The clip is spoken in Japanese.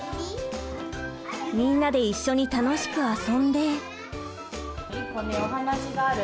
みんなで一緒に楽しく遊んで。